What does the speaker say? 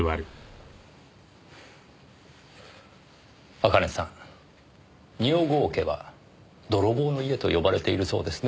茜さん二百郷家は泥棒の家と呼ばれているそうですね。